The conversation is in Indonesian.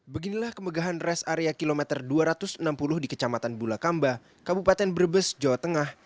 beginilah kemegahan res area kilometer dua ratus enam puluh di kecamatan bulakamba kabupaten brebes jawa tengah